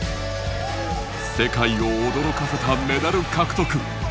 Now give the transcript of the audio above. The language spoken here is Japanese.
世界を驚かせたメダル獲得。